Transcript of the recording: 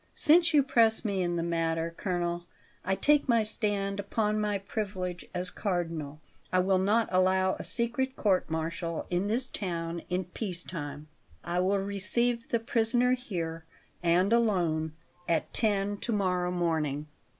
Since you press me in the matter, colonel, I take my stand upon my privilege as Cardinal. I will not allow a secret court martial in this town in peace time. I will receive the prisoner here, and alone, at ten to morrow morning."